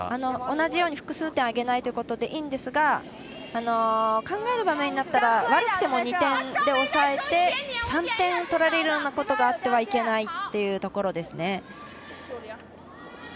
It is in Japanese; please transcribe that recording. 同じように複数点をあげないということでいいですが考える場面になったら悪くても２点で抑えて３点取られるようなことがあってはいけないですね。